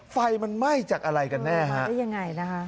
ไฟมันไหม้จากอะไรกันแน่ฮะได้ยังไงนะคะ